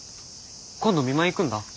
今度見舞い行くんだ。